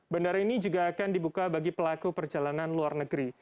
bandara ini juga akan dibuka bagi pelaku perjalanan luar negeri